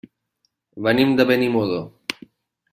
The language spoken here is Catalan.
Venim de Benimodo.